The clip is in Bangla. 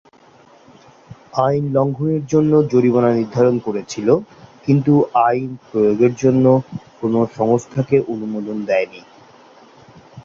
আইন লঙ্ঘনের জন্য জরিমানা নির্ধারণ করেছিল, কিন্তু আইন প্রয়োগের জন্য কোনো সংস্থাকে অনুমোদন দেয়নি।